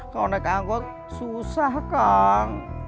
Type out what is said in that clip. kalau naik angkot susah kang